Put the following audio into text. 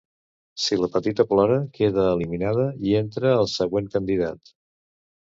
Si la petita plora, queda eliminada i entra el següent candidat.